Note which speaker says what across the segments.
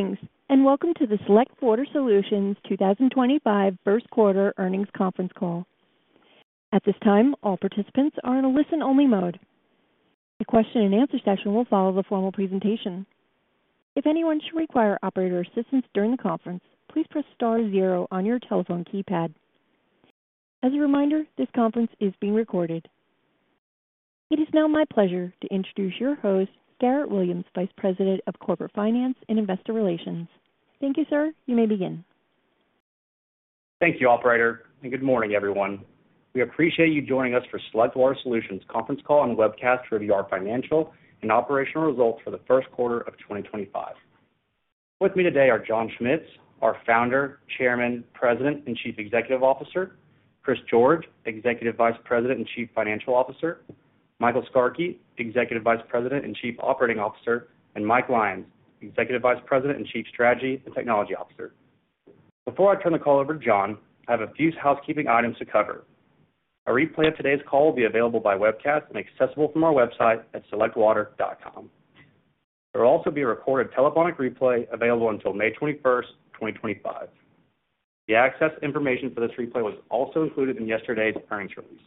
Speaker 1: Greetings and welcome to the Select Water Solutions 2025 First Quarter Earnings Conference Call. At this time, all participants are in a listen-only mode. The question-and-answer session will follow the formal presentation. If anyone should require operator assistance during the conference, please press star zero on your telephone keypad. As a reminder, this conference is being recorded. It is now my pleasure to introduce your host, Garrett Williams, Vice President of Corporate Finance and Investor Relations. Thank you, sir. You may begin.
Speaker 2: Thank you, Operator. Good morning, everyone. We appreciate you joining us for Select Water Solutions Conference Call and webcast to review our financial and operational results for the first quarter of 2025. With me today are John Schmitz, our Founder, Chairman, President, and Chief Executive Officer; Chris George, Executive Vice President and Chief Financial Officer; Michael Skarke, Executive Vice President and Chief Operating Officer; and Mike Lyons, Executive Vice President and Chief Strategy and Technology Officer. Before I turn the call over to John, I have a few housekeeping items to cover. A replay of today's call will be available by webcast and accessible from our website at selectwater.com. There will also be a recorded telephonic replay available until May 21st, 2025. The access information for this replay was also included in yesterday's earnings release.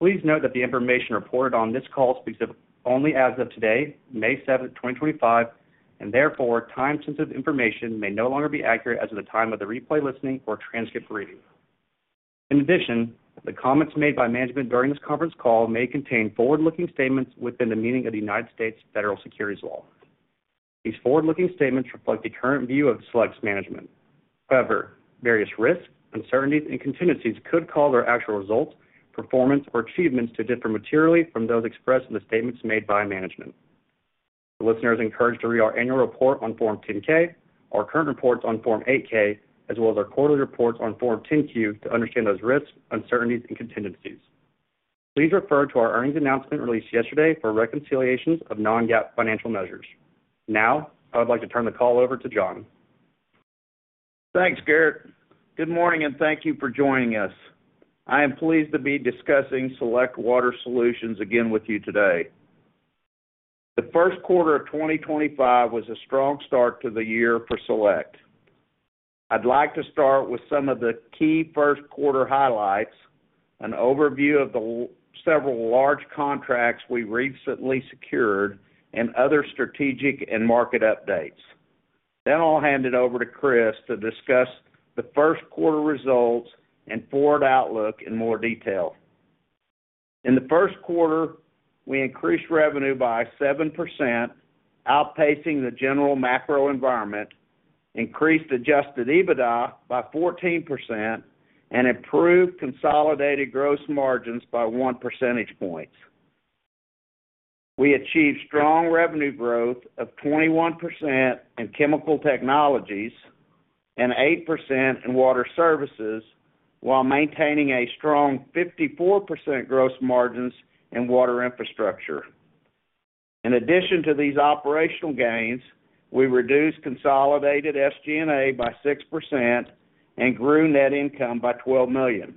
Speaker 2: Please note that the information reported on this call speaks only as of today, May 7th, 2025, and therefore, time-sensitive information may no longer be accurate as of the time of the replay listening or transcript reading. In addition, the comments made by management during this conference call may contain forward-looking statements within the meaning of the United States Federal Securities Law. These forward-looking statements reflect the current view of Select's management. However, various risks, uncertainties, and contingencies could cause our actual results, performance, or achievements to differ materially from those expressed in the statements made by management. The listeners are encouraged to read our annual report on Form 10-K, our current reports on Form 8-K, as well as our quarterly reports on Form 10-Q to understand those risks, uncertainties, and contingencies. Please refer to our earnings announcement released yesterday for reconciliations of non-GAAP financial measures. Now, I would like to turn the call over to John.
Speaker 3: Thanks, Garrett. Good morning, and thank you for joining us. I am pleased to be discussing Select Water Solutions again with you today. The first quarter of 2025 was a strong start to the year for Select. I'd like to start with some of the key first quarter highlights, an overview of the several large contracts we recently secured, and other strategic and market updates. I will hand it over to Chris to discuss the first quarter results and forward outlook in more detail. In the first quarter, we increased revenue by 7%, outpacing the general macro environment, increased adjusted EBITDA by 14%, and improved consolidated gross margins by 1 percentage point. We achieved strong revenue growth of 21% in chemical technologies and 8% in water services, while maintaining a strong 54% gross margins in water infrastructure. In addition to these operational gains, we reduced consolidated SG&A by 6% and grew net income by $12 million.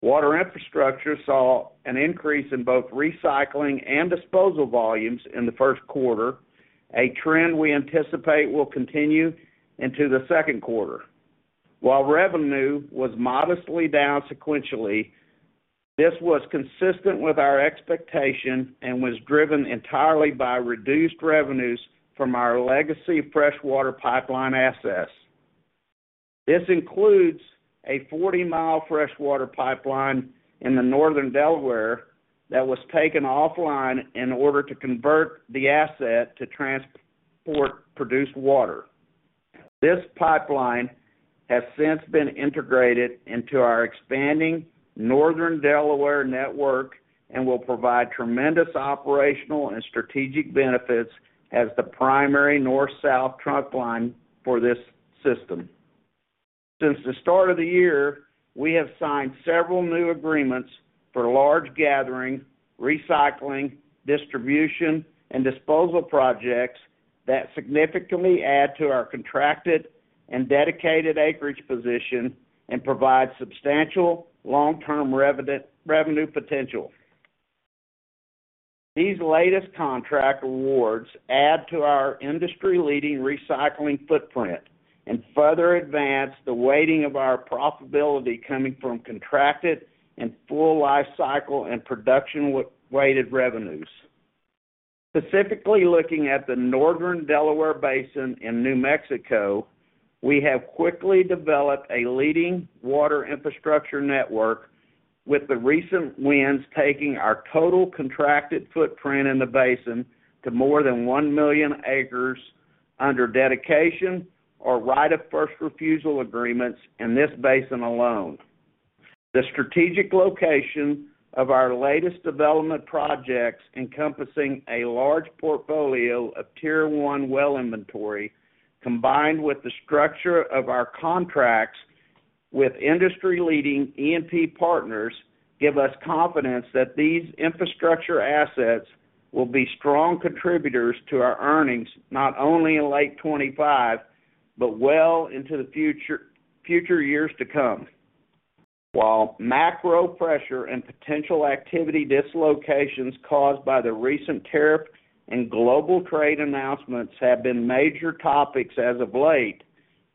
Speaker 3: Water Infrastructure saw an increase in both recycling and disposal volumes in the first quarter, a trend we anticipate will continue into the second quarter. While revenue was modestly down sequentially, this was consistent with our expectation and was driven entirely by reduced revenues from our legacy freshwater pipeline assets. This includes a 40 mi freshwater pipeline in northern Delaware that was taken offline in order to convert the asset to transport produced water. This pipeline has since been integrated into our expanding northern Delaware network and will provide tremendous operational and strategic benefits as the primary north-south trunk line for this system. Since the start of the year, we have signed several new agreements for large gathering, recycling, distribution, and disposal projects that significantly add to our contracted and dedicated acreage position and provide substantial long-term revenue potential. These latest contract awards add to our industry-leading recycling footprint and further advance the weighting of our profitability coming from contracted and full life cycle and production-weighted revenues. Specifically looking at the northern Delaware Basin in New Mexico, we have quickly developed a leading water infrastructure network with the recent wins taking our total contracted footprint in the basin to more than 1 million acres under dedication or right of first refusal agreements in this basin alone. The strategic location of our latest development projects encompassing a large portfolio of tier-one well inventory combined with the structure of our contracts with industry-leading E&P partners give us confidence that these infrastructure assets will be strong contributors to our earnings not only in late 2025 but well into the future years to come. While macro pressure and potential activity dislocations caused by the recent tariff and global trade announcements have been major topics as of late,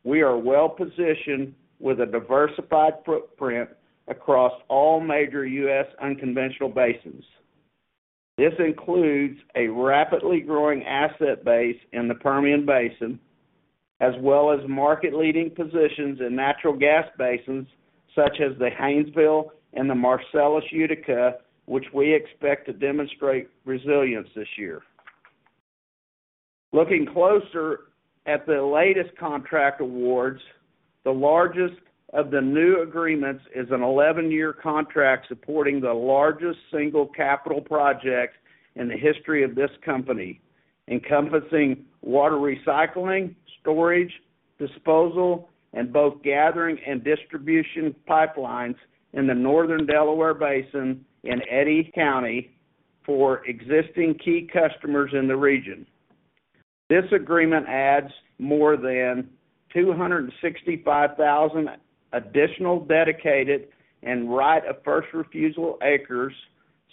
Speaker 3: we are well-positioned with a diversified footprint across all major U.S. unconventional basins. This includes a rapidly growing asset base in the Permian Basin, as well as market-leading positions in natural gas basins such as the Haynesville and the Marcellus Utica, which we expect to demonstrate resilience this year. Looking closer at the latest contract awards, the largest of the new agreements is an 11-year contract supporting the largest single capital project in the history of this company, encompassing water recycling, storage, disposal, and both gathering and distribution pipelines in the northern Delaware Basin in Eddy County for existing key customers in the region. This agreement adds more than 265,000 additional dedicated and right of first refusal acres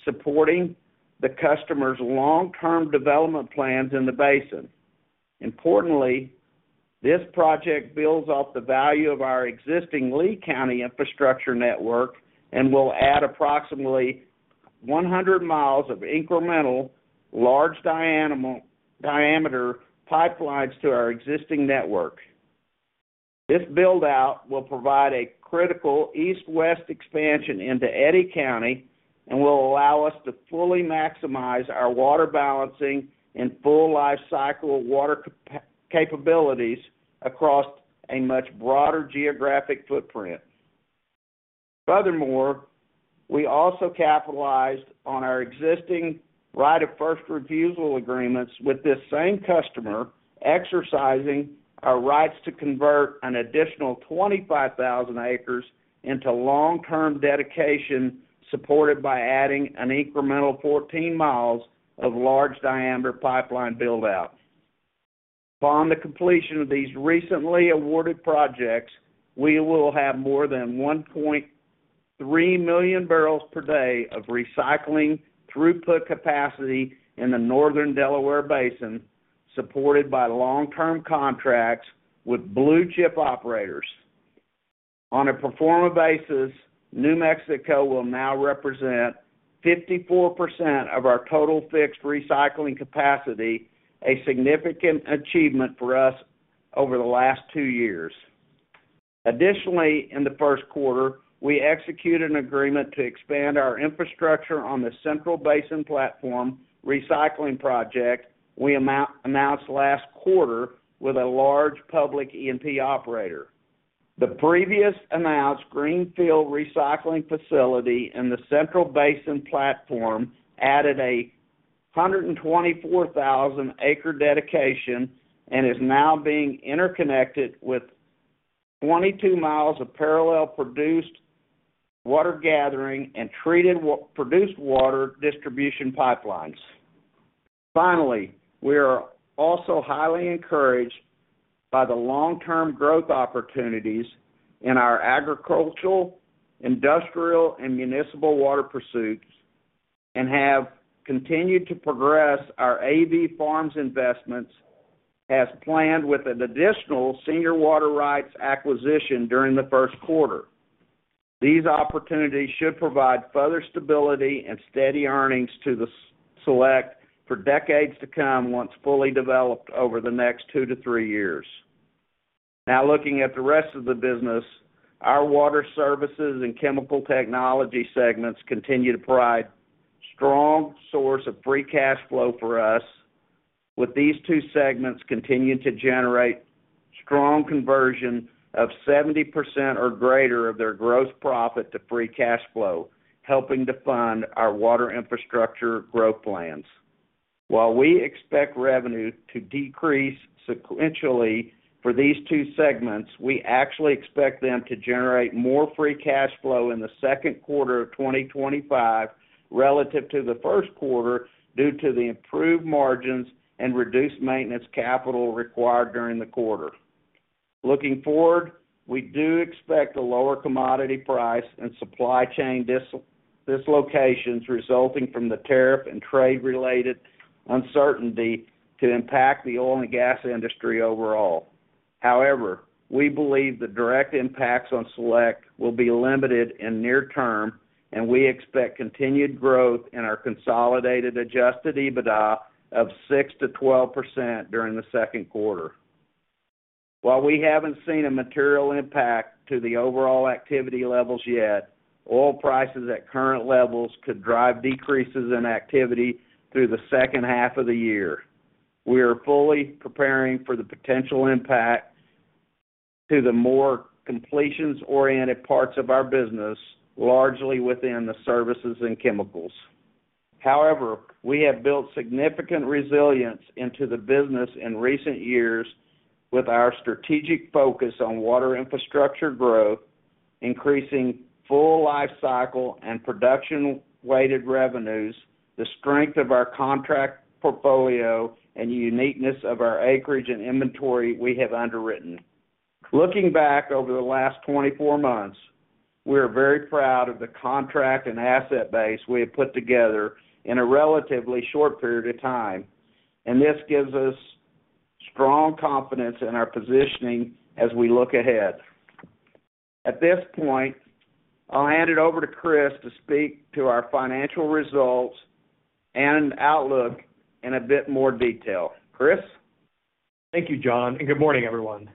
Speaker 3: supporting the customer's long-term development plans in the basin. Importantly, this project builds off the value of our existing Lee County infrastructure network and will add approximately 100 mi of incremental large diameter pipelines to our existing network. This build-out will provide a critical east-west expansion into Eddy County and will allow us to fully maximize our water balancing and full life cycle water capabilities across a much broader geographic footprint. Furthermore, we also capitalized on our existing right of first refusal agreements with this same customer, exercising our rights to convert an additional 25,000 acres into long-term dedication supported by adding an incremental 14 mi of large diameter pipeline build-out. Upon the completion of these recently awarded projects, we will have more than 1.3 million barrels per day of recycling throughput capacity in the northern Delaware Basin, supported by long-term contracts with blue-chip operators. On a pro forma basis, New Mexico will now represent 54% of our total fixed recycling capacity, a significant achievement for us over the last two years. Additionally, in the first quarter, we executed an agreement to expand our infrastructure on the Central Basin Platform recycling project we announced last quarter with a large public E&P operator. The previously announced Greenfield Recycling Facility in the Central Basin Platform added a 124,000-acre dedication and is now being interconnected with 22 mi of parallel produced water gathering and treated produced water distribution pipelines. Finally, we are also highly encouraged by the long-term growth opportunities in our agricultural, industrial, and municipal water pursuits and have continued to progress our AV Farms investments as planned with an additional senior water rights acquisition during the first quarter. These opportunities should provide further stability and steady earnings to Select for decades to come once fully developed over the next two to three years. Now, looking at the rest of the business, our Water Services and Chemical Technologies segments continue to provide a strong source of free cash flow for us, with these two segments continuing to generate strong conversion of 70% or greater of their gross profit to free cash flow, helping to fund our Water Infrastructure growth plans. While we expect revenue to decrease sequentially for these two segments, we actually expect them to generate more free cash flow in the second quarter of 2025 relative to the first quarter due to the improved margins and reduced maintenance capital required during the quarter. Looking forward, we do expect a lower commodity price and supply chain dislocations resulting from the tariff and trade-related uncertainty to impact the oil and gas industry overall. However, we believe the direct impacts on Select will be limited in the near term, and we expect continued growth in our consolidated adjusted EBITDA of 6%-12% during the second quarter. While we have not seen a material impact to the overall activity levels yet, oil prices at current levels could drive decreases in activity through the second half of the year. We are fully preparing for the potential impact to the more completions-oriented parts of our business, largely within the services and chemicals. However, we have built significant resilience into the business in recent years with our strategic focus on water infrastructure growth, increasing full life cycle and production-weighted revenues, the strength of our contract portfolio, and the uniqueness of our acreage and inventory we have underwritten. Looking back over the last 24 months, we are very proud of the contract and asset base we have put together in a relatively short period of time, and this gives us strong confidence in our positioning as we look ahead. At this point, I'll hand it over to Chris to speak to our financial results and outlook in a bit more detail. Chris?
Speaker 4: Thank you, John, and good morning, everyone.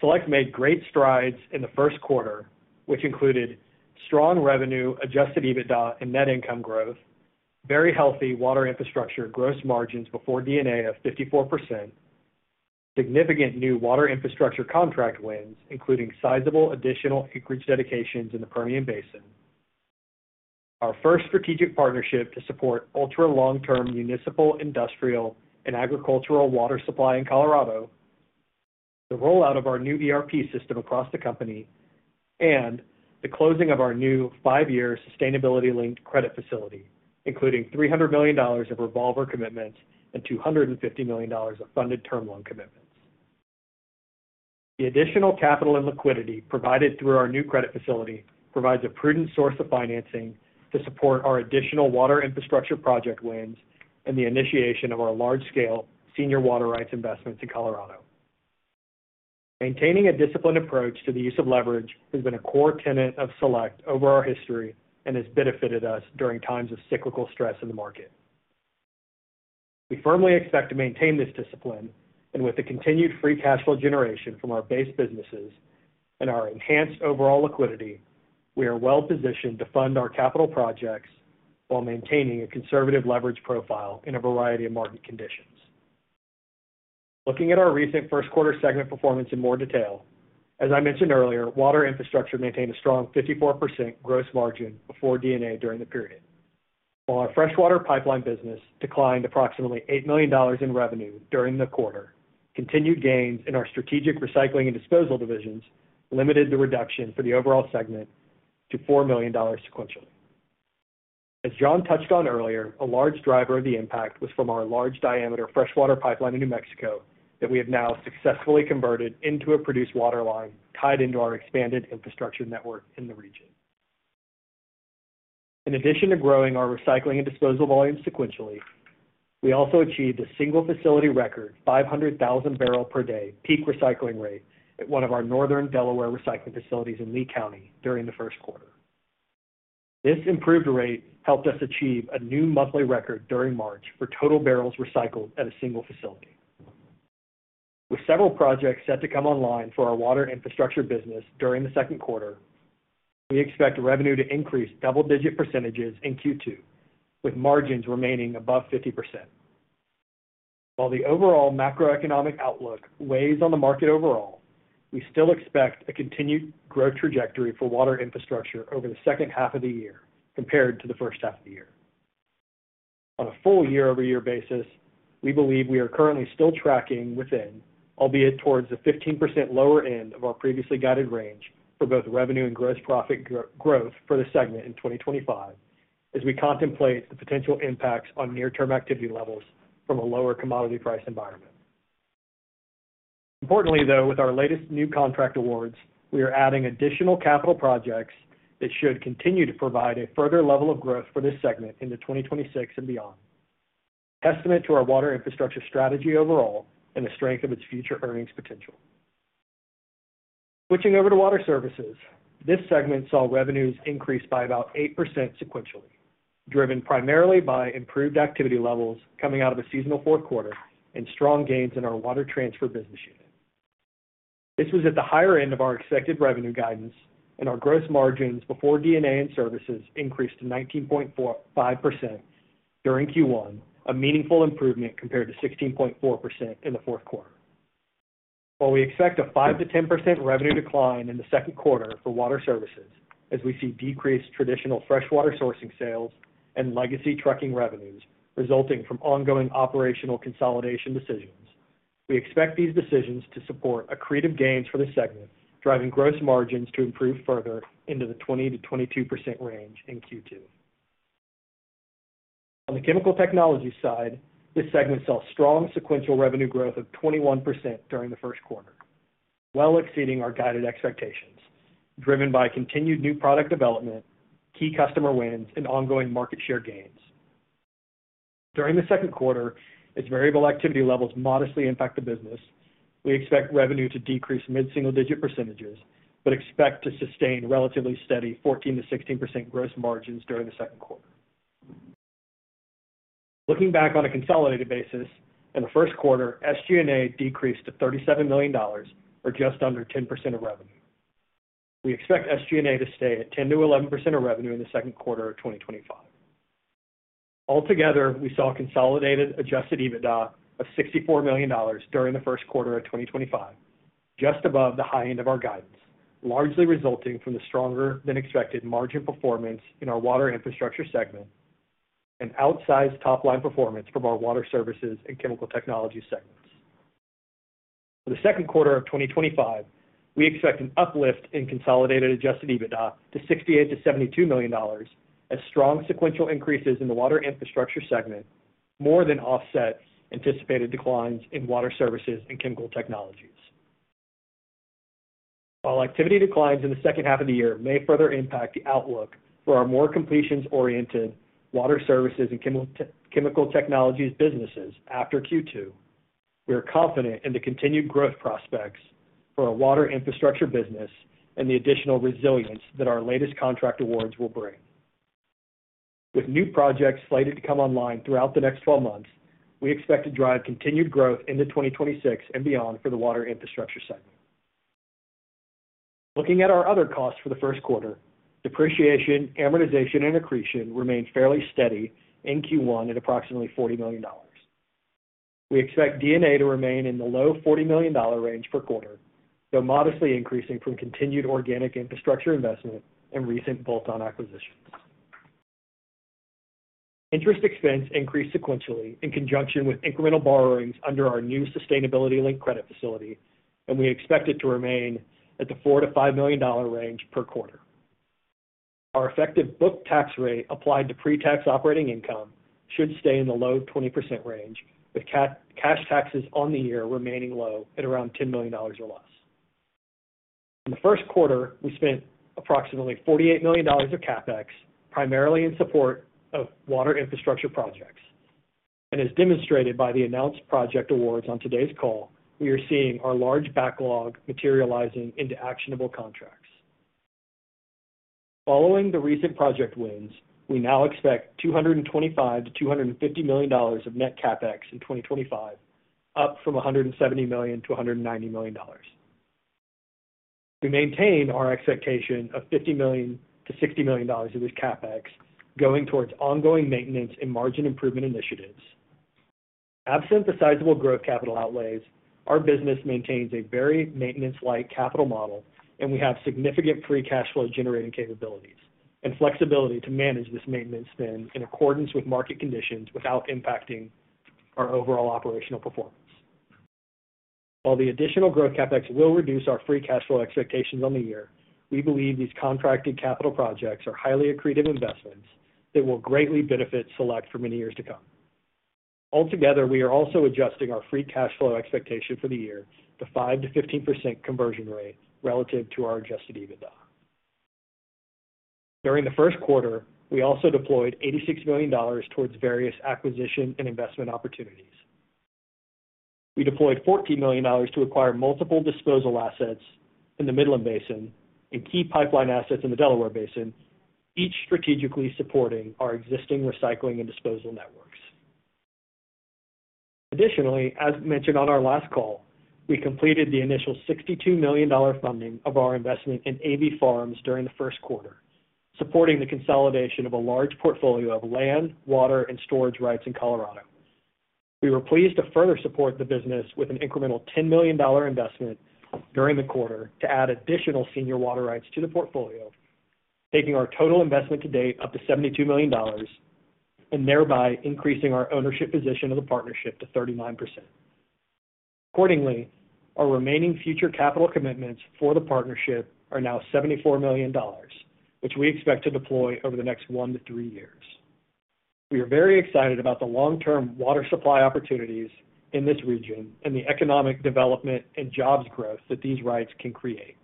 Speaker 4: Select made great strides in the first quarter, which included strong revenue, adjusted EBITDA, and net income growth, very healthy water infrastructure gross margins before DNA of 54%, significant new water infrastructure contract wins, including sizable additional acreage dedications in the Permian Basin, our first strategic partnership to support ultra-long-term municipal, industrial, and agricultural water supply in Colorado, the rollout of our new ERP system across the company, and the closing of our new five-year sustainability-linked credit facility, including $300 million of revolver commitments and $250 million of funded term loan commitments. The additional capital and liquidity provided through our new credit facility provides a prudent source of financing to support our additional water infrastructure project wins and the initiation of our large-scale senior water rights investments in Colorado. Maintaining a disciplined approach to the use of leverage has been a core tenet of Select over our history and has benefited us during times of cyclical stress in the market. We firmly expect to maintain this discipline, and with the continued free cash flow generation from our base businesses and our enhanced overall liquidity, we are well-positioned to fund our capital projects while maintaining a conservative leverage profile in a variety of market conditions. Looking at our recent first quarter segment performance in more detail, as I mentioned earlier, Water Infrastructure maintained a strong 54% gross margin before DNA during the period, while our freshwater pipeline business declined approximately $8 million in revenue during the quarter. Continued gains in our strategic recycling and disposal divisions limited the reduction for the overall segment to $4 million sequentially. As John touched on earlier, a large driver of the impact was from our large-diameter freshwater pipeline in New Mexico that we have now successfully converted into a produced water line tied into our expanded infrastructure network in the region. In addition to growing our recycling and disposal volume sequentially, we also achieved a single facility record 500,000 barrels per day peak recycling rate at one of our northern Delaware recycling facilities in Lee County during the first quarter. This improved rate helped us achieve a new monthly record during March for total barrels recycled at a single facility. With several projects set to come online for our water infrastructure business during the second quarter, we expect revenue to increase double-digit percentages in Q2, with margins remaining above 50%. While the overall macroeconomic outlook weighs on the market overall, we still expect a continued growth trajectory for water infrastructure over the second half of the year compared to the first half of the year. On a full year-over-year basis, we believe we are currently still tracking within, albeit towards the 15% lower end of our previously guided range for both revenue and gross profit growth for the segment in 2025 as we contemplate the potential impacts on near-term activity levels from a lower commodity price environment. Importantly, though, with our latest new contract awards, we are adding additional capital projects that should continue to provide a further level of growth for this segment into 2026 and beyond, a testament to our water infrastructure strategy overall and the strength of its future earnings potential. Switching over to Water Services, this segment saw revenues increase by about 8% sequentially, driven primarily by improved activity levels coming out of a seasonal fourth quarter and strong gains in our water transfer business unit. This was at the higher end of our expected revenue guidance, and our gross margins before D&A and services increased to 19.5% during Q1, a meaningful improvement compared to 16.4% in the fourth quarter. While we expect a 5%-10% revenue decline in the second quarter for Water Services as we see decreased traditional freshwater sourcing sales and legacy trucking revenues resulting from ongoing operational consolidation decisions, we expect these decisions to support accretive gains for the segment, driving gross margins to improve further into the 20%-22% range in Q2. On the chemical technology side, this segment saw strong sequential revenue growth of 21% during the first quarter, well exceeding our guided expectations, driven by continued new product development, key customer wins, and ongoing market share gains. During the second quarter, as variable activity levels modestly impact the business, we expect revenue to decrease mid-single-digit percentages but expect to sustain relatively steady 14%-16% gross margins during the second quarter. Looking back on a consolidated basis, in the first quarter, SG&A decreased to $37 million or just under 10% of revenue. We expect SG&A to stay at 10%-11% of revenue in the second quarter of 2025. Altogether, we saw consolidated adjusted EBITDA of $64 million during the first quarter of 2025, just above the high end of our guidance, largely resulting from the stronger-than-expected margin performance in our water infrastructure segment and outsized top-line performance from our water services and chemical technologies segments. For the second quarter of 2025, we expect an uplift in consolidated adjusted EBITDA to $68 million-$72 million as strong sequential increases in the water infrastructure segment more than offset anticipated declines in water services and chemical technologies. While activity declines in the second half of the year may further impact the outlook for our more completions-oriented water services and chemical technologies businesses after Q2, we are confident in the continued growth prospects for our water infrastructure business and the additional resilience that our latest contract awards will bring. With new projects slated to come online throughout the next 12 months, we expect to drive continued growth into 2026 and beyond for the water infrastructure segment. Looking at our other costs for the first quarter, depreciation, amortization, and accretion remain fairly steady in Q1 at approximately $40 million. We expect D&A to remain in the low $40 million range per quarter, though modestly increasing from continued organic infrastructure investment and recent bolt-on acquisitions. Interest expense increased sequentially in conjunction with incremental borrowings under our new sustainability-linked credit facility, and we expect it to remain at the $4 million-$5 million range per quarter. Our effective book tax rate applied to pre-tax operating income should stay in the low 20% range, with cash taxes on the year remaining low at around $10 million or less. In the first quarter, we spent approximately $48 million of CapEx primarily in support of water infrastructure projects, and as demonstrated by the announced project awards on today's call, we are seeing our large backlog materializing into actionable contracts. Following the recent project wins, we now expect $225 million-$250 million of net CapEx in 2025, up from $170 million-$190 million. We maintain our expectation of $50 million-$60 million of this CapEx going towards ongoing maintenance and margin improvement initiatives. Absent the sizable growth capital outlays, our business maintains a very maintenance-light capital model, and we have significant free cash flow generating capabilities and flexibility to manage this maintenance spend in accordance with market conditions without impacting our overall operational performance. While the additional growth CapEx will reduce our free cash flow expectations on the year, we believe these contracted capital projects are highly accretive investments that will greatly benefit Select for many years to come. Altogether, we are also adjusting our free cash flow expectation for the year to a 5%-15% conversion rate relative to our adjusted EBITDA. During the first quarter, we also deployed $86 million towards various acquisition and investment opportunities. We deployed $14 million to acquire multiple disposal assets in the Midland Basin and key pipeline assets in the Delaware Basin, each strategically supporting our existing recycling and disposal networks. Additionally, as mentioned on our last call, we completed the initial $62 million funding of our investment in AV Farms during the first quarter, supporting the consolidation of a large portfolio of land, water, and storage rights in Colorado. We were pleased to further support the business with an incremental $10 million investment during the quarter to add additional senior water rights to the portfolio, taking our total investment to date up to $72 million and thereby increasing our ownership position of the partnership to 39%. Accordingly, our remaining future capital commitments for the partnership are now $74 million, which we expect to deploy over the next one to three years. We are very excited about the long-term water supply opportunities in this region and the economic development and jobs growth that these rights can create.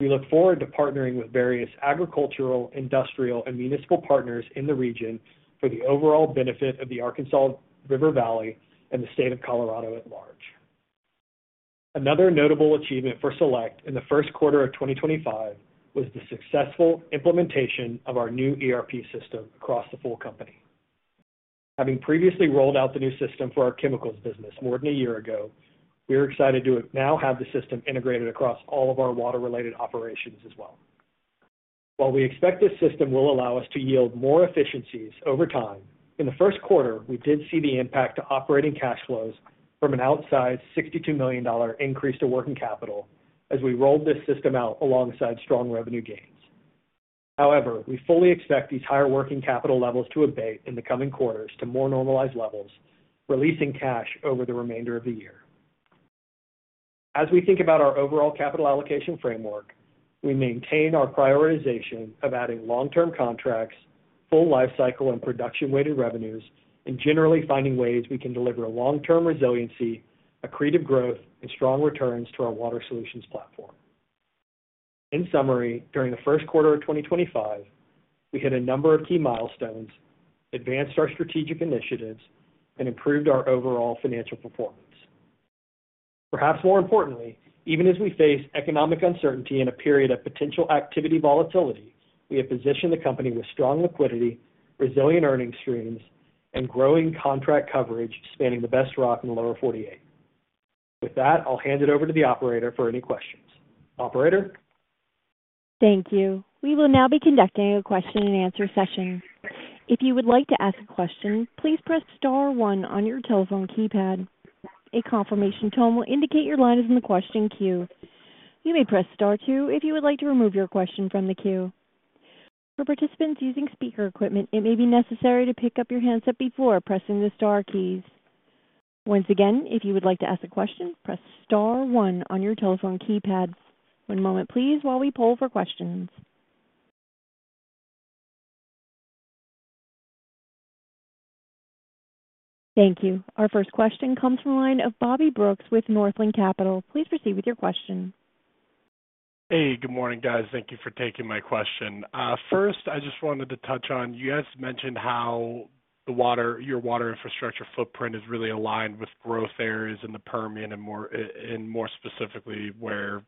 Speaker 4: We look forward to partnering with various agricultural, industrial, and municipal partners in the region for the overall benefit of the Arkansas River Valley and the state of Colorado at large. Another notable achievement for Select in the first quarter of 2025 was the successful implementation of our new ERP system across the full company. Having previously rolled out the new system for our chemicals business more than a year ago, we are excited to now have the system integrated across all of our water-related operations as well. While we expect this system will allow us to yield more efficiencies over time, in the first quarter, we did see the impact to operating cash flows from an outsized $62 million increase to working capital as we rolled this system out alongside strong revenue gains. However, we fully expect these higher working capital levels to abate in the coming quarters to more normalized levels, releasing cash over the remainder of the year. As we think about our overall capital allocation framework, we maintain our prioritization of adding long-term contracts, full lifecycle, and production-weighted revenues, and generally finding ways we can deliver long-term resiliency, accretive growth, and strong returns to our water solutions platform. In summary, during the first quarter of 2025, we hit a number of key milestones, advanced our strategic initiatives, and improved our overall financial performance. Perhaps more importantly, even as we face economic uncertainty in a period of potential activity volatility, we have positioned the company with strong liquidity, resilient earnings streams, and growing contract coverage spanning the best rock in the lower 48. With that, I'll hand it over to the operator for any questions. Operator?
Speaker 1: Thank you. We will now be conducting a question-and-answer session. If you would like to ask a question, please press star one on your telephone keypad. A confirmation tone will indicate your line is in the question queue. You may press star two if you would like to remove your question from the queue. For participants using speaker equipment, it may be necessary to pick up your handset before pressing the Star keys. Once again, if you would like to ask a question, press star one on your telephone keypad. One moment, please, while we poll for questions. Thank you. Our first question comes from a line of Bobby Brooks with Northland Capital. Please proceed with your question.
Speaker 5: Hey, good morning, guys. Thank you for taking my question. First, I just wanted to touch on you guys mentioned how your water infrastructure footprint is really aligned with growth areas in the Permian and more specifically where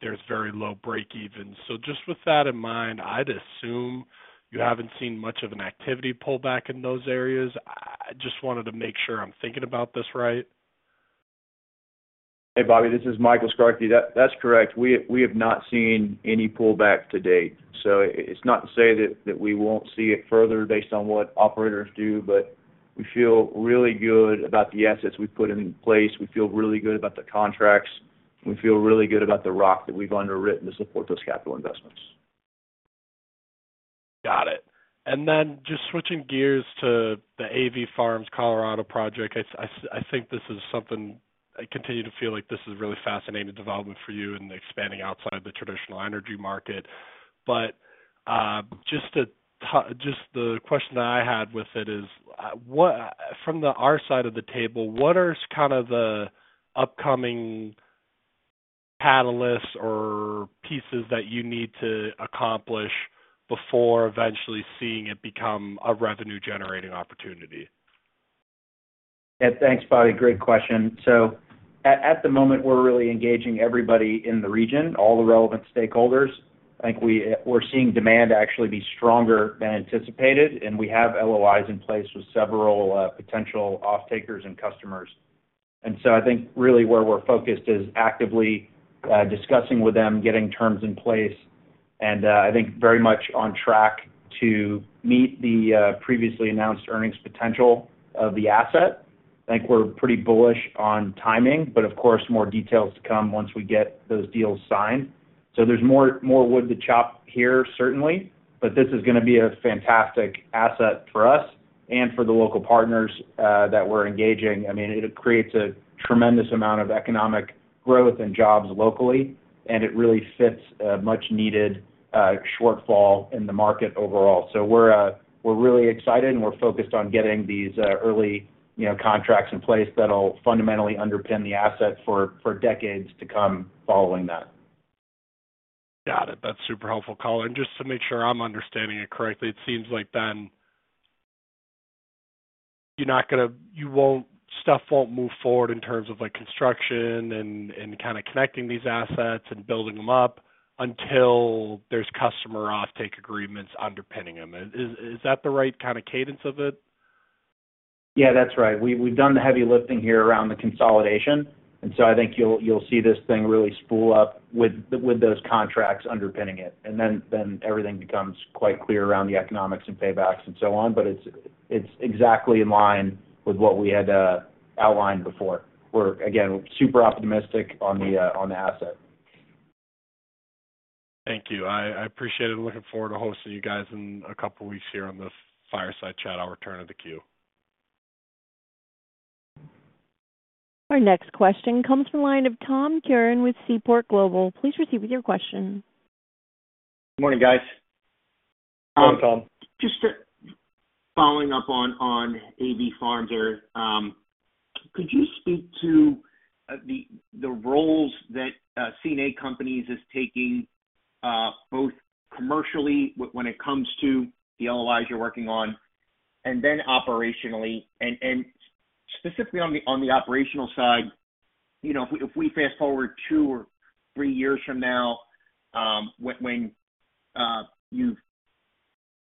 Speaker 5: there are very low breakevens. Just with that in mind, I'd assume you haven't seen much of an activity pullback in those areas. I just wanted to make sure I'm thinking about this right.
Speaker 6: Hey, Bobby, this is Michael Skarke. That's correct. We have not seen any pullback to date. It's not to say that we won't see it further based on what operators do, but we feel really good about the assets we've put in place. We feel really good about the contracts. We feel really good about the rock that we've underwritten to support those capital investments.
Speaker 5: Got it. Switching gears to the AV Farms Colorado project, I think this is something I continue to feel like this is a really fascinating development for you in expanding outside the traditional energy market. Just the question that I had with it is, from our side of the table, what are kind of the upcoming catalysts or pieces that you need to accomplish before eventually seeing it become a revenue-generating opportunity?
Speaker 3: Yeah, thanks, Bobby. Great question. At the moment, we're really engaging everybody in the region, all the relevant stakeholders. I think we're seeing demand actually be stronger than anticipated, and we have LOIs in place with several potential off-takers and customers. I think really where we're focused is actively discussing with them, getting terms in place, and I think very much on track to meet the previously announced earnings potential of the asset. I think we're pretty bullish on timing, but of course, more details to come once we get those deals signed. There's more wood to chop here, certainly, but this is going to be a fantastic asset for us and for the local partners that we're engaging. I mean, it creates a tremendous amount of economic growth and jobs locally, and it really fits a much-needed shortfall in the market overall. We're really excited, and we're focused on getting these early contracts in place that'll fundamentally underpin the asset for decades to come following that.
Speaker 5: Got it. That's super helpful, Colin. Just to make sure I'm understanding it correctly, it seems like then you're not going to—stuff won't move forward in terms of construction and kind of connecting these assets and building them up until there's customer off-take agreements underpinning them. Is that the right kind of cadence of it?
Speaker 3: Yeah, that's right. We've done the heavy lifting here around the consolidation, and I think you'll see this thing really spool up with those contracts underpinning it. Everything becomes quite clear around the economics and paybacks and so on, but it's exactly in line with what we had outlined before. We're, again, super optimistic on the asset.
Speaker 5: Thank you. I appreciate it. Looking forward to hosting you guys in a couple of weeks here on the fireside chat hour turn of the queue.
Speaker 1: Our next question comes from a line of Tom Curran with Seaport Global. Please proceed with your question.
Speaker 7: Good morning, guys.
Speaker 3: How are you doing, Tom?
Speaker 7: Just following up on AV Farms here. Could you speak to the roles that CNA Companies is taking both commercially when it comes to the LOIs you're working on, and then operationally? Specifically on the operational side, if we fast forward two or three years from now, when you've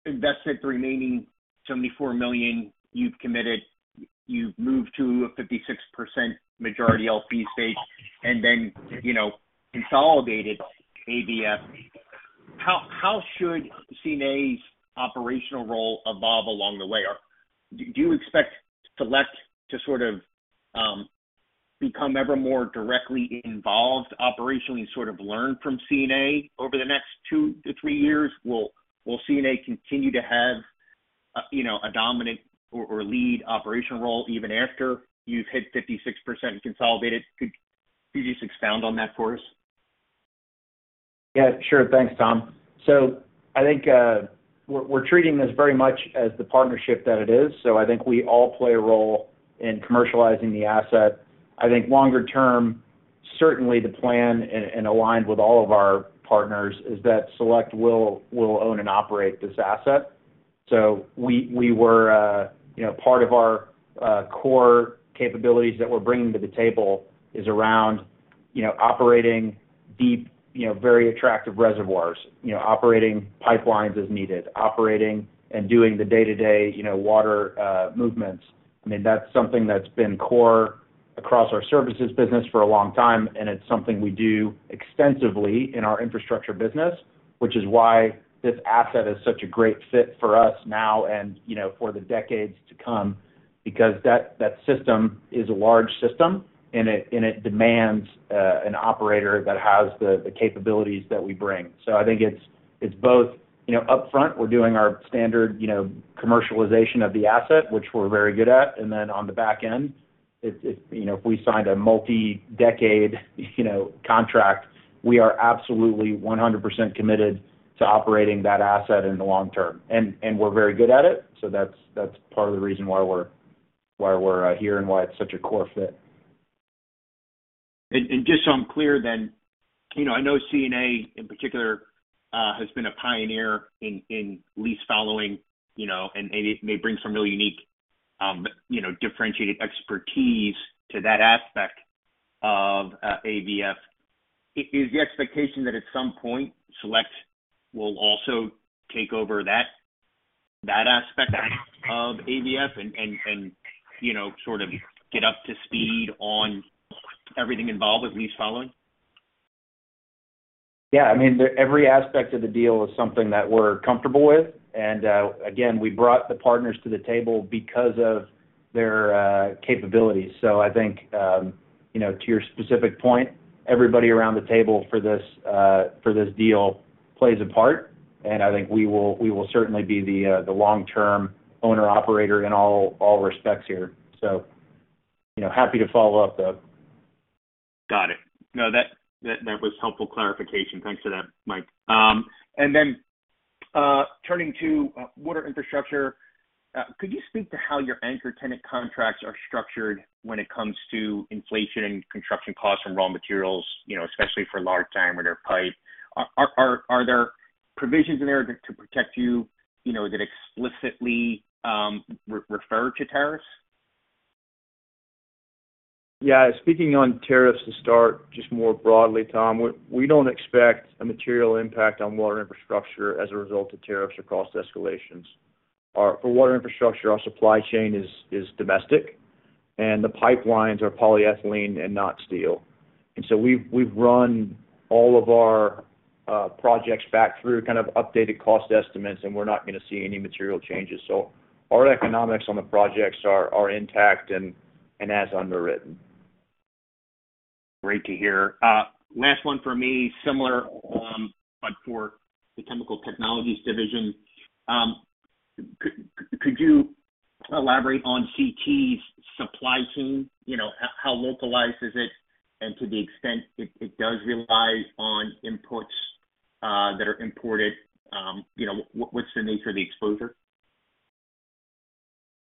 Speaker 7: invested the remaining $74 million you've committed, you've moved to a 56% majority LP stage, and then consolidated AVF, how should CNA's operational role evolve along the way? Do you expect Select to sort of become ever more directly involved operationally and sort of learn from CNA over the next two to three years? Will CNA continue to have a dominant or lead operational role even after you've hit 56% consolidated? Could you just expound on that for us?
Speaker 6: Yeah, sure. Thanks, Tom. I think we're treating this very much as the partnership that it is. I think we all play a role in commercializing the asset. I think longer term, certainly the plan and aligned with all of our partners is that Select will own and operate this asset. We were part of our core capabilities that we're bringing to the table is around operating deep, very attractive reservoirs, operating pipelines as needed, operating and doing the day-to-day water movements. I mean, that's something that's been core across our services business for a long time, and it's something we do extensively in our infrastructure business, which is why this asset is such a great fit for us now and for the decades to come because that system is a large system, and it demands an operator that has the capabilities that we bring. I think it's both upfront, we're doing our standard commercialization of the asset, which we're very good at, and then on the back end, if we signed a multi-decade contract, we are absolutely 100% committed to operating that asset in the long term. We're very good at it, so that's part of the reason why we're here and why it's such a core fit.
Speaker 7: Just so I'm clear then, I know CNA in particular has been a pioneer in lease following, and it may bring some real unique differentiated expertise to that aspect of AV Farms. Is the expectation that at some point Select will also take over that aspect of AV Farms and sort of get up to speed on everything involved with lease following?
Speaker 6: Yeah. I mean, every aspect of the deal is something that we're comfortable with. Again, we brought the partners to the table because of their capabilities. I think to your specific point, everybody around the table for this deal plays a part, and I think we will certainly be the long-term owner-operator in all respects here. Happy to follow up, though.
Speaker 7: Got it. No, that was helpful clarification. Thanks for that, Mike. Turning to water infrastructure, could you speak to how your anchor tenant contracts are structured when it comes to inflation and construction costs from raw materials, especially for large diameter pipe? Are there provisions in there to protect you that explicitly refer to tariffs?
Speaker 6: Yeah. Speaking on tariffs to start, just more broadly, Tom, we do not expect a material impact on water infrastructure as a result of tariffs or cost escalations. For water infrastructure, our supply chain is domestic, and the pipelines are polyethylene and not steel. We have run all of our projects back through kind of updated cost estimates, and we are not going to see any material changes. Our economics on the projects are intact and as underwritten.
Speaker 7: Great to hear. Last one for me, similar but for the Chemical Technologies division. Could you elaborate on CT's supply chain? How localized is it, and to the extent it does rely on inputs that are imported? What's the nature of the exposure?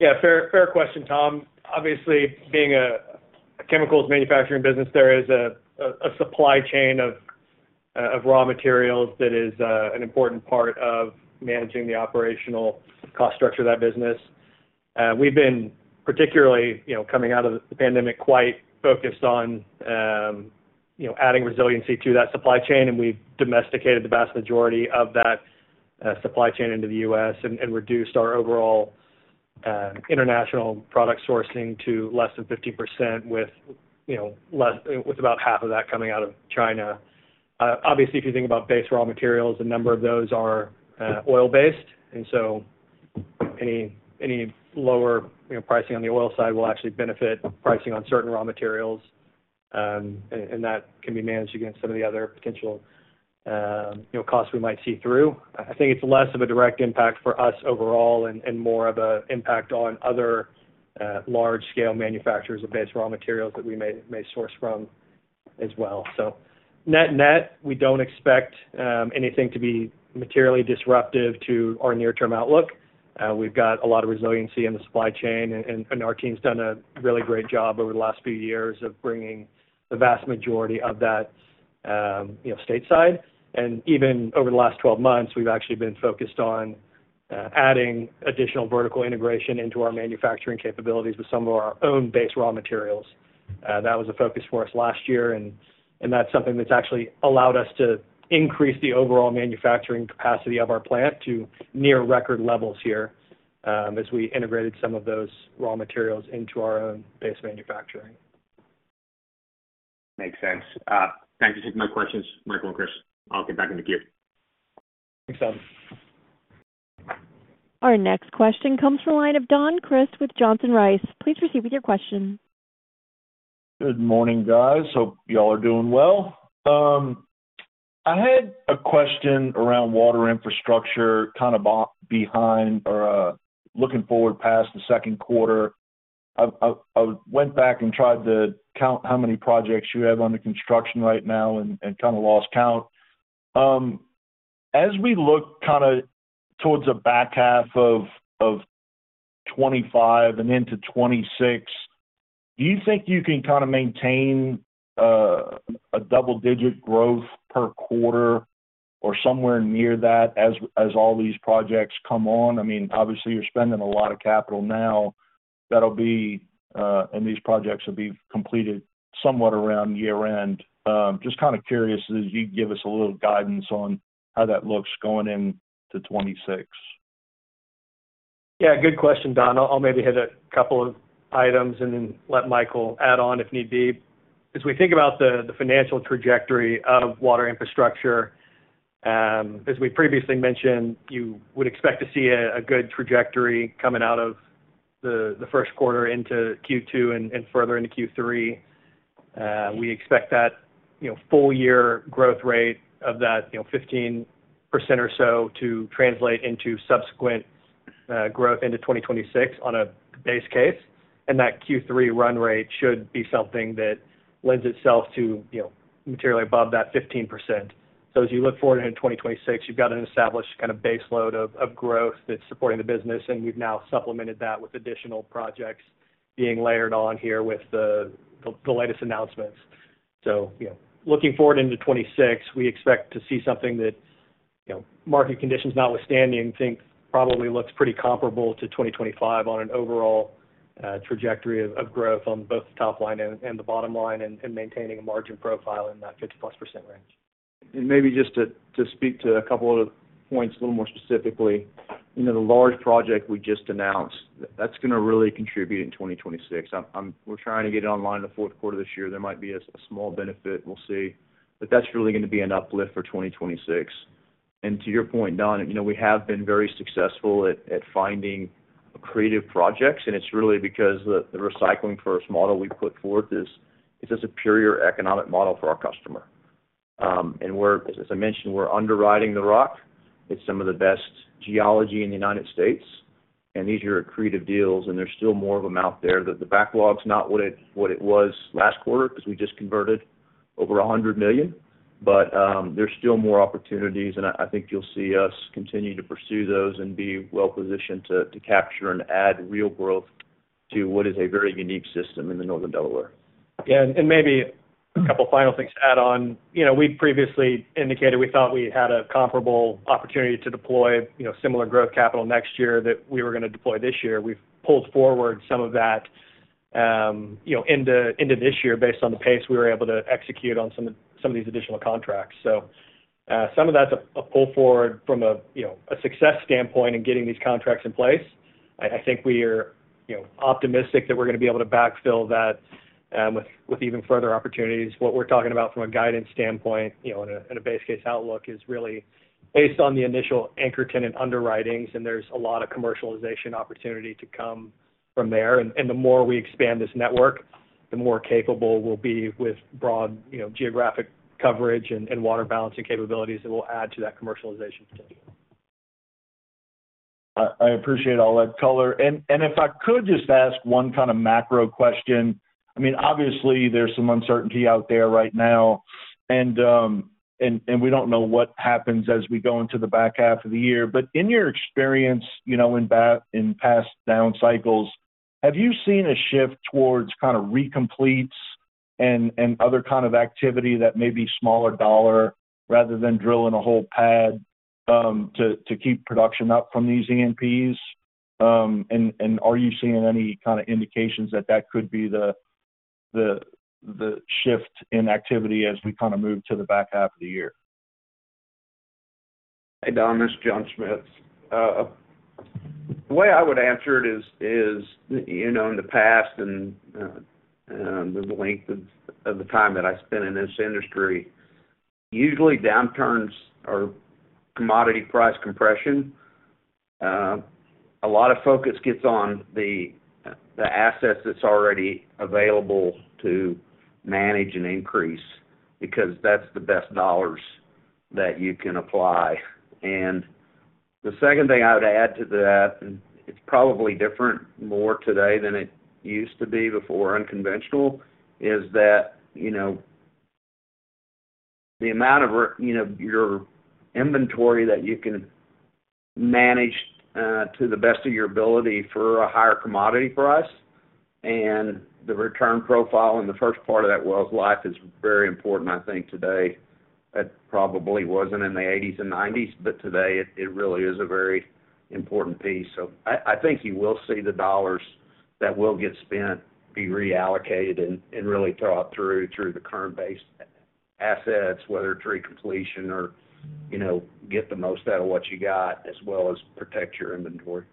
Speaker 4: Yeah. Fair question, Tom. Obviously, being a chemical manufacturing business, there is a supply chain of raw materials that is an important part of managing the operational cost structure of that business. We've been particularly, coming out of the pandemic, quite focused on adding resiliency to that supply chain, and we've domesticated the vast majority of that supply chain into the U.S. and reduced our overall international product sourcing to less than 50%, with about half of that coming out of China. Obviously, if you think about base raw materials, a number of those are oil-based, and any lower pricing on the oil side will actually benefit pricing on certain raw materials, and that can be managed against some of the other potential costs we might see through. I think it's less of a direct impact for us overall and more of an impact on other large-scale manufacturers of base raw materials that we may source from as well. Net net, we don't expect anything to be materially disruptive to our near-term outlook. We've got a lot of resiliency in the supply chain, and our team's done a really great job over the last few years of bringing the vast majority of that stateside. Over the last 12 months, we've actually been focused on adding additional vertical integration into our manufacturing capabilities with some of our own base raw materials. That was a focus for us last year, and that's something that's actually allowed us to increase the overall manufacturing capacity of our plant to near-record levels here as we integrated some of those raw materials into our own base manufacturing.
Speaker 7: Makes sense. Thank you for taking my questions, Michael and Chris. I'll get back into the queue.
Speaker 4: Thanks, Tom.
Speaker 1: Our next question comes from a line of Don Crist with Johnson Rice. Please proceed with your question.
Speaker 8: Good morning, guys. Hope y'all are doing well. I had a question around water infrastructure kind of behind or looking forward past the second quarter. I went back and tried to count how many projects you have under construction right now and kind of lost count. As we look kind of towards the back half of 2025 and into 2026, do you think you can kind of maintain a double-digit growth per quarter or somewhere near that as all these projects come on? I mean, obviously, you're spending a lot of capital now that'll be—and these projects will be completed somewhat around year-end. Just kind of curious as you give us a little guidance on how that looks going into 2026.
Speaker 4: Yeah. Good question, Don. I'll maybe hit a couple of items and then let Michael add on if need be. As we think about the financial trajectory of water infrastructure, as we previously mentioned, you would expect to see a good trajectory coming out of the first quarter into Q2 and further into Q3. We expect that full-year growth rate of that 15% or so to translate into subsequent growth into 2026 on a base case, and that Q3 run rate should be something that lends itself to materially above that 15%. As you look forward into 2026, you have got an established kind of baseload of growth that is supporting the business, and we have now supplemented that with additional projects being layered on here with the latest announcements. Looking forward into 2026, we expect to see something that, market conditions notwithstanding, think probably looks pretty comparable to 2025 on an overall trajectory of growth on both the top line and the bottom line and maintaining a margin profile in that 50%+ range.
Speaker 6: Maybe just to speak to a couple of points a little more specifically, the large project we just announced, that is going to really contribute in 2026. We're trying to get it online in the fourth quarter of this year. There might be a small benefit. We'll see. That's really going to be an uplift for 2026. To your point, Don, we have been very successful at finding creative projects, and it's really because the recycling-first model we put forth is a superior economic model for our customer. As I mentioned, we're underriding the rock. It's some of the best geology in the United States, and these are creative deals, and there's still more of them out there. The backlog's not what it was last quarter because we just converted over $100 million, but there's still more opportunities, and I think you'll see us continue to pursue those and be well-positioned to capture and add real growth to what is a very unique system in the northern Delaware.
Speaker 4: Yeah. Maybe a couple of final things to add on. We previously indicated we thought we had a comparable opportunity to deploy similar growth capital next year that we were going to deploy this year. We have pulled forward some of that into this year based on the pace we were able to execute on some of these additional contracts. Some of that is a pull forward from a success standpoint in getting these contracts in place. I think we are optimistic that we are going to be able to backfill that with even further opportunities. What we are talking about from a guidance standpoint and a base case outlook is really based on the initial anchor tenant underwritings, and there is a lot of commercialization opportunity to come from there. The more we expand this network, the more capable we'll be with broad geographic coverage and water balancing capabilities that will add to that commercialization potential.
Speaker 8: I appreciate all that color. If I could just ask one kind of macro question. I mean, obviously, there's some uncertainty out there right now, and we don't know what happens as we go into the back half of the year. In your experience in past down cycles, have you seen a shift towards kind of recompletes and other kind of activity that may be smaller dollar rather than drilling a whole pad to keep production up from these EMPs? Are you seeing any kind of indications that that could be the shift in activity as we kind of move to the back half of the year?
Speaker 3: Hey, Don. This is John Schmitz. The way I would answer it is in the past and the length of the time that I spent in this industry, usually downturns are commodity price compression. A lot of focus gets on the assets that's already available to manage and increase because that's the best dollars that you can apply. The second thing I would add to that, and it's probably different more today than it used to be before unconventional, is that the amount of your inventory that you can manage to the best of your ability for a higher commodity price and the return profile in the first part of that well's life is very important, I think, today. It probably wasn't in the 1980s and 1990s, but today it really is a very important piece. I think you will see the dollars that will get spent be reallocated and really thought through the current-based assets, whether it's recompletion or get the most out of what you got, as well as protect your inventory.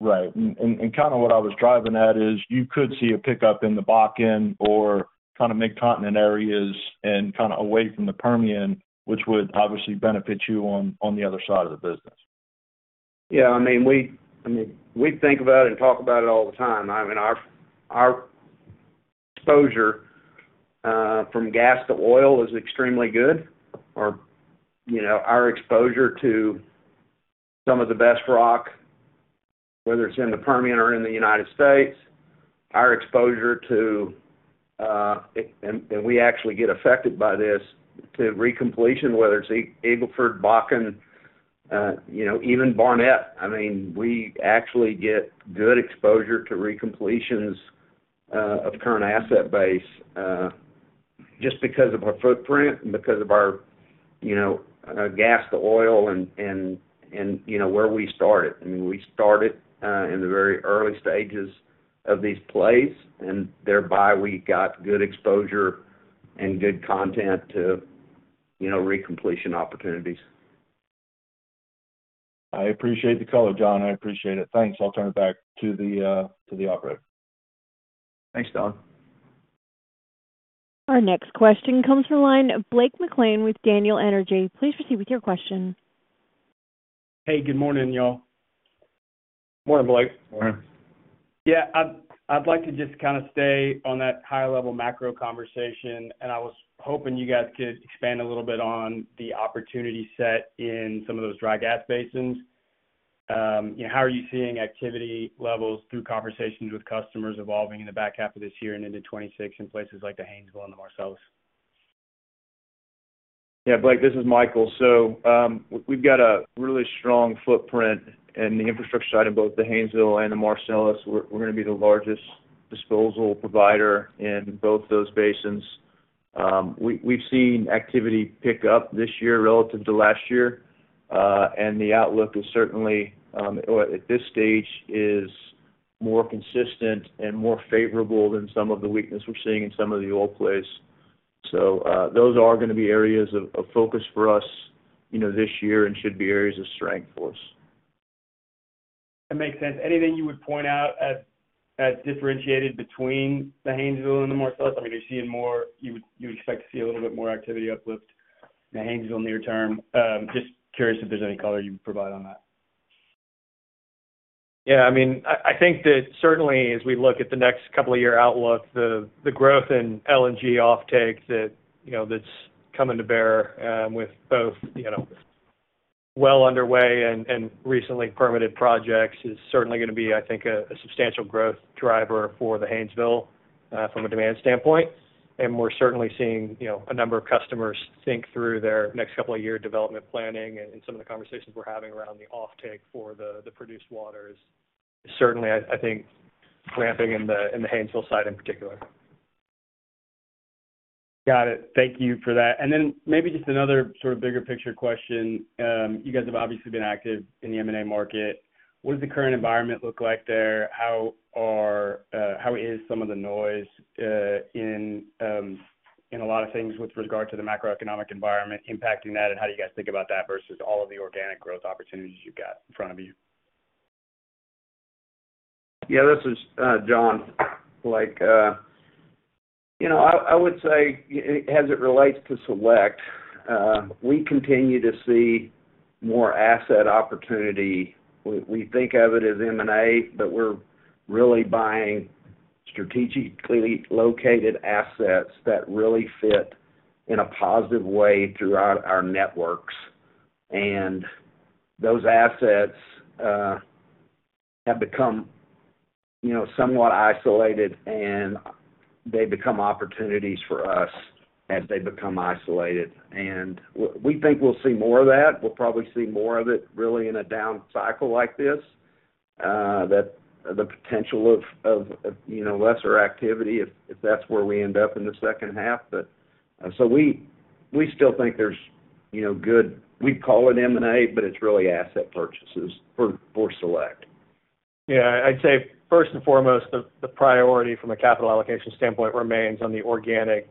Speaker 6: Right. Kind of what I was driving at is you could see a pickup in the Bakken or kind of mid-continent areas and kind of away from the Permian, which would obviously benefit you on the other side of the business.
Speaker 3: Yeah. I mean, we think about it and talk about it all the time. I mean, our exposure from gas to oil is extremely good. Our exposure to some of the best rock, whether it's in the Permian or in the United States, our exposure to—and we actually get affected by this—to recompletion, whether it's Eagle Ford, Bakken, even Barnett, I mean, we actually get good exposure to recompletions of current asset base just because of our footprint and because of our gas to oil and where we started. I mean, we started in the very early stages of these plays, and thereby we got good exposure and good content to recompletion opportunities.
Speaker 8: I appreciate the color, John. I appreciate it. Thanks. I'll turn it back to the operator.
Speaker 3: Thanks, Don.
Speaker 1: Our next question comes from a line of Blake McLean with Daniel Energy. Please proceed with your question.
Speaker 9: Hey, good morning, y'all.
Speaker 3: Morning, Blake.
Speaker 4: Morning.
Speaker 9: Yeah. I'd like to just kind of stay on that high-level macro conversation, and I was hoping you guys could expand a little bit on the opportunity set in some of those dry gas basins. How are you seeing activity levels through conversations with customers evolving in the back half of this year and into 2026 in places like the Haynesville and the Marcellus?
Speaker 6: Yeah. Blake, this is Michael. So we've got a really strong footprint in the infrastructure side in both the Haynesville and the Marcellus. We're going to be the largest disposal provider in both those basins. We've seen activity pick up this year relative to last year, and the outlook is certainly at this stage is more consistent and more favorable than some of the weakness we're seeing in some of the old plays. Those are going to be areas of focus for us this year and should be areas of strength for us.
Speaker 9: That makes sense. Anything you would point out as differentiated between the Haynesville and the Marcellus? I mean, are you seeing more—you would expect to see a little bit more activity uplift in the Haynesville near-term? Just curious if there's any color you would provide on that.
Speaker 6: Yeah. I mean, I think that certainly as we look at the next couple-year outlook, the growth in LNG offtake that's coming to bear with both well underway and recently permitted projects is certainly going to be, I think, a substantial growth driver for the Haynesville from a demand standpoint. We're certainly seeing a number of customers think through their next couple-year development planning and some of the conversations we're having around the offtake for the produced waters. Certainly, I think, ramping in the Haynesville side in particular.
Speaker 9: Got it. Thank you for that. Maybe just another sort of bigger picture question. You guys have obviously been active in the M&A market. What does the current environment look like there? How is some of the noise in a lot of things with regard to the macroeconomic environment impacting that, and how do you guys think about that versus all of the organic growth opportunities you've got in front of you?
Speaker 3: Yeah. This is John. Blake. I would say as it relates to Select, we continue to see more asset opportunity. We think of it as M&A, but we're really buying strategically located assets that really fit in a positive way throughout our networks. Those assets have become somewhat isolated, and they become opportunities for us as they become isolated. We think we'll see more of that. We'll probably see more of it really in a down cycle like this, the potential of lesser activity if that's where we end up in the second half. We still think there's good—we'd call it M&A, but it's really asset purchases for Select.
Speaker 6: I'd say first and foremost, the priority from a capital allocation standpoint remains on the organic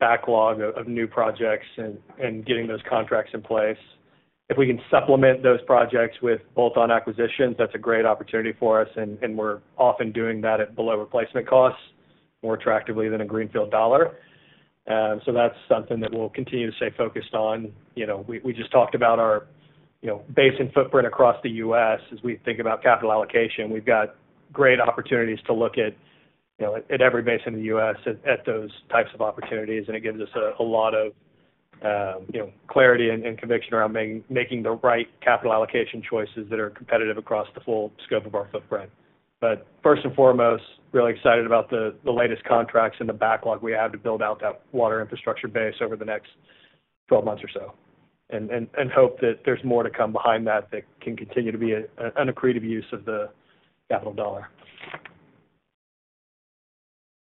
Speaker 6: backlog of new projects and getting those contracts in place. If we can supplement those projects with bolt-on acquisitions, that's a great opportunity for us, and we're often doing that at below replacement costs more attractively than a greenfield dollar. That's something that we'll continue to stay focused on. We just talked about our basin footprint across the U.S. As we think about capital allocation, we've got great opportunities to look at every basin in the U.S. at those types of opportunities, and it gives us a lot of clarity and conviction around making the right capital allocation choices that are competitive across the full scope of our footprint. First and foremost, really excited about the latest contracts and the backlog we have to build out that water infrastructure base over the next 12 months or so and hope that there's more to come behind that that can continue to be an accretive use of the capital dollar.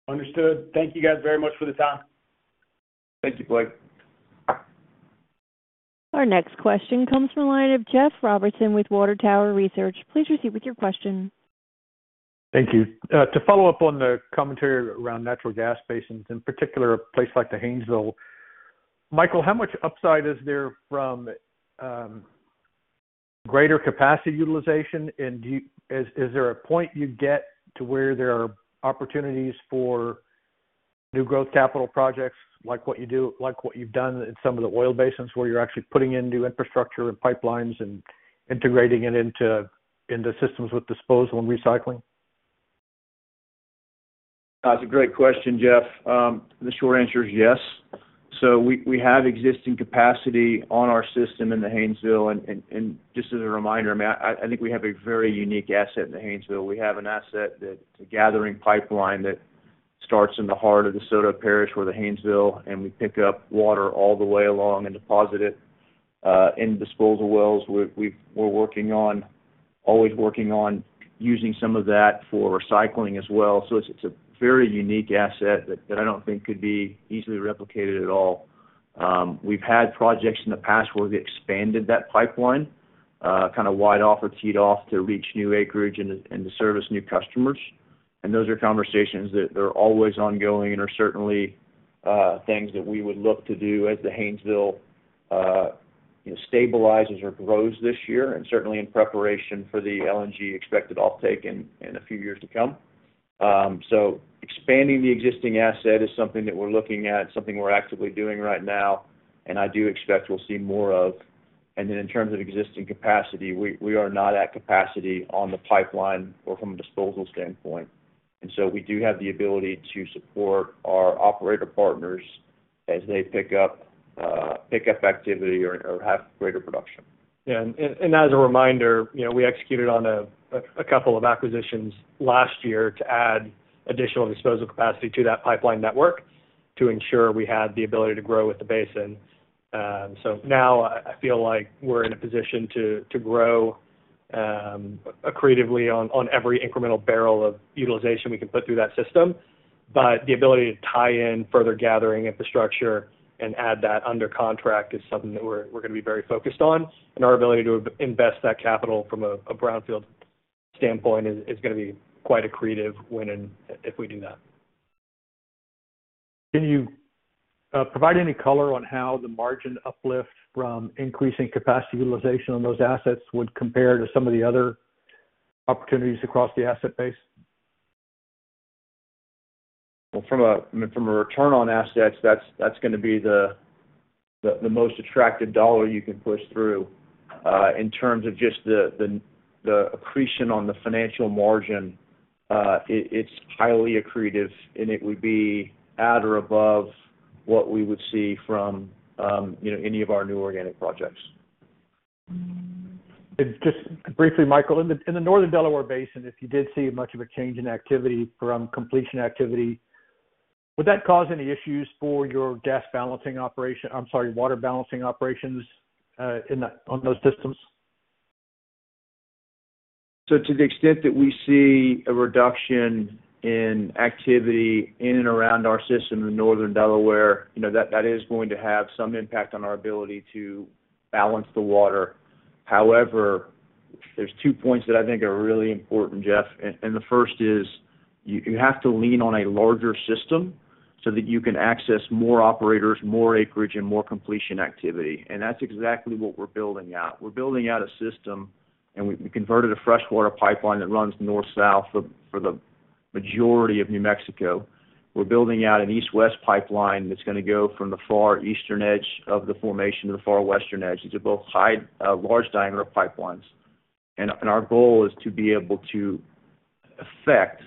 Speaker 9: Understood. Thank you guys very much for the time.
Speaker 4: Thank you, Blake.
Speaker 1: Our next question comes from a line of Jeff Robertson with Water Tower Research. Please proceed with your question.
Speaker 10: Thank you. To follow up on the commentary around natural gas basins, in particular a place like the Haynesville, Michael, how much upside is there from greater capacity utilization? Is there a point you get to where there are opportunities for new growth capital projects like what you do, like what you've done in some of the oil basins where you're actually putting in new infrastructure and pipelines and integrating it into systems with disposal and recycling?
Speaker 6: That's a great question, Jeff. The short answer is yes. We have existing capacity on our system in the Haynesville. Just as a reminder, I think we have a very unique asset in the Haynesville. We have an asset, a gathering pipeline that starts in the heart of DeSoto Parish or the Haynesville, and we pick up water all the way along and deposit it in disposal wells. We're always working on using some of that for recycling as well. It is a very unique asset that I do not think could be easily replicated at all. We have had projects in the past where we have expanded that pipeline, kind of wide off or teed off to reach new acreage and to service new customers. Those are conversations that are always ongoing and are certainly things that we would look to do as the Haynesville stabilizes or grows this year, certainly in preparation for the LNG expected offtake in a few years to come. Expanding the existing asset is something that we are looking at, something we are actively doing right now, and I do expect we will see more of. In terms of existing capacity, we are not at capacity on the pipeline or from a disposal standpoint. We do have the ability to support our operator partners as they pick up activity or have greater production.
Speaker 3: Yeah. As a reminder, we executed on a couple of acquisitions last year to add additional disposal capacity to that pipeline network to ensure we had the ability to grow with the basin. Now I feel like we're in a position to grow accretively on every incremental barrel of utilization we can put through that system. The ability to tie in further gathering infrastructure and add that under contract is something that we're going to be very focused on. Our ability to invest that capital from a brownfield standpoint is going to be quite accretive when and if we do that.
Speaker 10: Can you provide any color on how the margin uplift from increasing capacity utilization on those assets would compare to some of the other opportunities across the asset base?
Speaker 6: From a return on assets, that's going to be the most attractive dollar you can push through. In terms of just the accretion on the financial margin, it's highly accretive, and it would be at or above what we would see from any of our new organic projects.
Speaker 10: Just briefly, Michael, in the northern Delaware Basin, if you did see much of a change in activity from completion activity, would that cause any issues for your gas balancing operation—I'm sorry, water balancing operations—on those systems?
Speaker 6: To the extent that we see a reduction in activity in and around our system in northern Delaware, that is going to have some impact on our ability to balance the water. However, there's two points that I think are really important, Jeff. The first is you have to lean on a larger system so that you can access more operators, more acreage, and more completion activity. That's exactly what we're building out. We're building out a system, and we converted a freshwater pipeline that runs north-south for the majority of New Mexico. We're building out an east-west pipeline that's going to go from the far eastern edge of the formation to the far western edge. These are both large diameter pipelines. Our goal is to be able to affect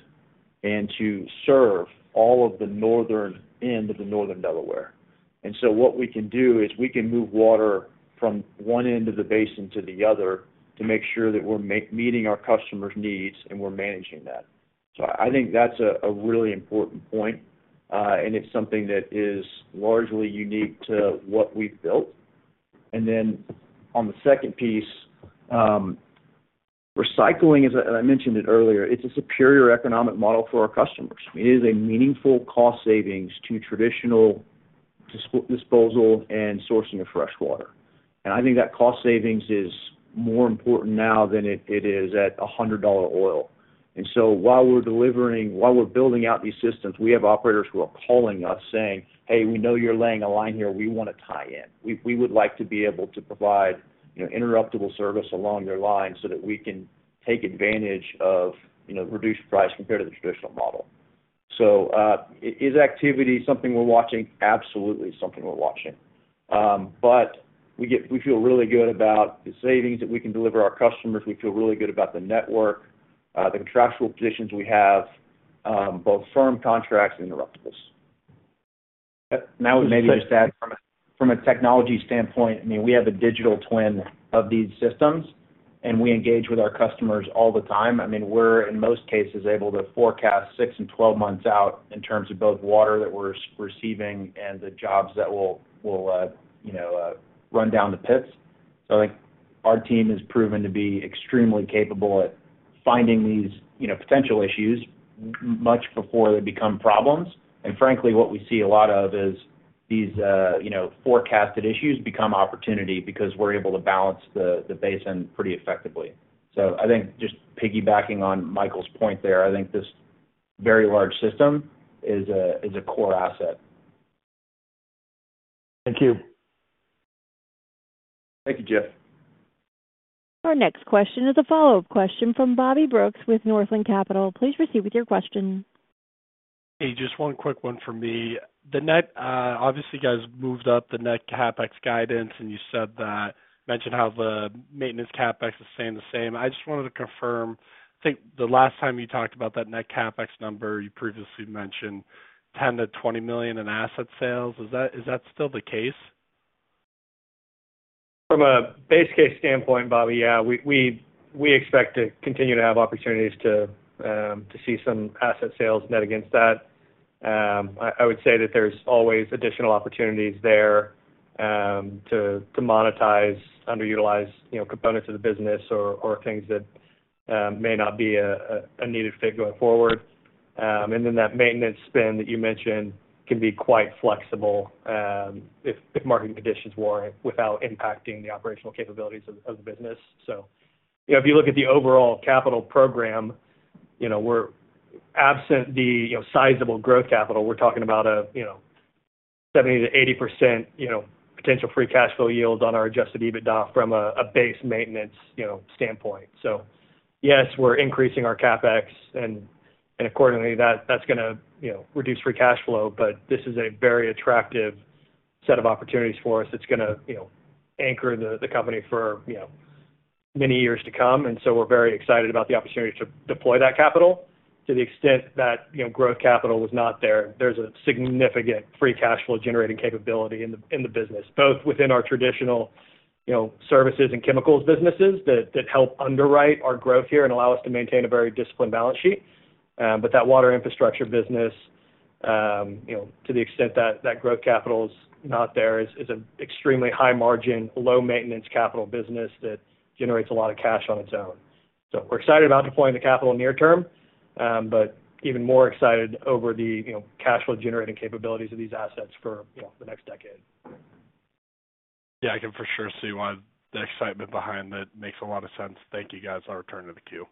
Speaker 6: and to serve all of the northern end of the northern Delaware. What we can do is we can move water from one end of the basin to the other to make sure that we're meeting our customers' needs and we're managing that. I think that's a really important point, and it's something that is largely unique to what we've built. Then on the second piece, recycling, as I mentioned earlier, it's a superior economic model for our customers. It is a meaningful cost savings to traditional disposal and sourcing of freshwater. I think that cost savings is more important now than it is at $100 oil. While we're building out these systems, we have operators who are calling us saying, "Hey, we know you're laying a line here. We want to tie in. We would like to be able to provide interruptible service along your line so that we can take advantage of reduced price compared to the traditional model." Is activity something we're watching? Absolutely, something we're watching. We feel really good about the savings that we can deliver our customers. We feel really good about the network, the contractual positions we have, both firm contracts and interruptibles.
Speaker 3: Now, maybe just to add from a technology standpoint, I mean, we have a digital twin of these systems, and we engage with our customers all the time. I mean, we're in most cases able to forecast 6 and 12 months out in terms of both water that we're receiving and the jobs that will run down the pits. I think our team has proven to be extremely capable at finding these potential issues much before they become problems. Frankly, what we see a lot of is these forecasted issues become opportunity because we're able to balance the basin pretty effectively. I think just piggybacking on Michael's point there, I think this very large system is a core asset.
Speaker 10: Thank you.
Speaker 3: Thank you, Jeff.
Speaker 1: Our next question is a follow-up question from Bobby Brooks with Northland Capital. Please proceed with your question.
Speaker 5: Hey, just one quick one for me. Obviously, you guys moved up the net CapEx guidance, and you mentioned how the maintenance CapEx is staying the same. I just wanted to confirm. I think the last time you talked about that net CapEx number, you previously mentioned $10 million-$20 million in asset sales. Is that still the case?
Speaker 6: From a base case standpoint, Bobby, yeah, we expect to continue to have opportunities to see some asset sales net against that. I would say that there's always additional opportunities there to monetize, underutilize components of the business or things that may not be a needed fit going forward. That maintenance spend that you mentioned can be quite flexible if market conditions warrant it without impacting the operational capabilities of the business. If you look at the overall capital program, absent the sizable growth capital, we're talking about a 70%-80% potential free cash flow yield on our adjusted EBITDA from a base maintenance standpoint. Yes, we're increasing our CapEx, and accordingly, that's going to reduce free cash flow, but this is a very attractive set of opportunities for us that's going to anchor the company for many years to come. We're very excited about the opportunity to deploy that capital. To the extent that growth capital was not there, there's a significant free cash flow generating capability in the business, both within our traditional services and chemicals businesses that help underwrite our growth here and allow us to maintain a very disciplined balance sheet. That water infrastructure business, to the extent that that growth capital is not there, is an extremely high margin, low maintenance capital business that generates a lot of cash on its own. We are excited about deploying the capital near term, but even more excited over the cash flow generating capabilities of these assets for the next decade.
Speaker 5: Yeah, I can for sure see why the excitement behind that makes a lot of sense. Thank you, guys. I'll return to the queue.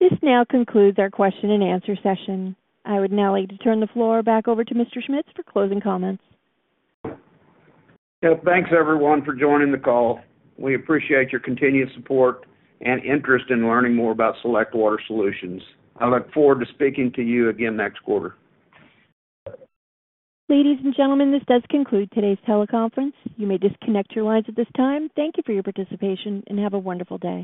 Speaker 1: This now concludes our question and answer session. I would now like to turn the floor back over to Mr. Schmitz for closing comments.
Speaker 3: Thanks, everyone, for joining the call. We appreciate your continued support and interest in learning more about Select Water Solutions. I look forward to speaking to you again next quarter.
Speaker 1: Ladies and gentlemen, this does conclude today's teleconference. You may disconnect your lines at this time. Thank you for your participation, and have a wonderful day.